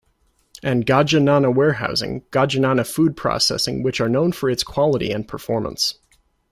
And Gajanana Warehousing, Gajanana Food Processing which are known for its quality and performance.